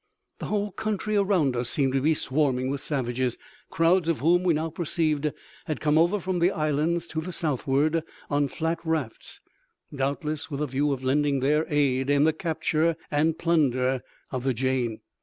The whole country around us seemed to be swarming with savages, crowds of whom, we now perceived, had come over from the islands to the southward on flat rafts, doubtless with a view of lending their aid in the capture and plunder of the Jane.